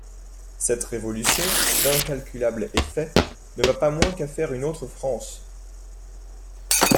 Cette révolution, d'incalculable effet, ne va pas moins qu'à faire une autre France.